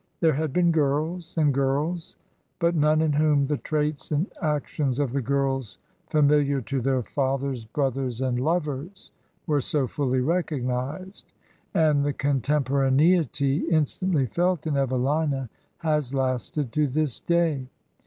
There had been girls and girls, but none in whom the traits and actions of the girls familiar to their fathers, brothers and lovers were so fully recognized; and the contem poraneity instantly felt in Evelina has lasted to this day.